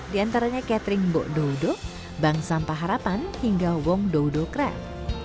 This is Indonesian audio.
di antaranya catering bok dodo bang sampah harapan hingga wong dodo krek